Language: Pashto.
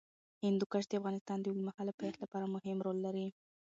هندوکش د افغانستان د اوږدمهاله پایښت لپاره مهم رول لري.